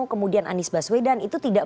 kemudian anies baswedan itu tidak